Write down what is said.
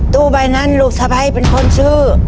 ตู้ใบนั้นลูกสะพ้ายเป็นคนซื้อ